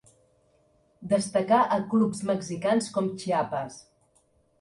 Destacà a clubs mexicans com Chiapas.